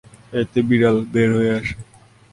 এতে বিড়াল বের হয়ে আসে।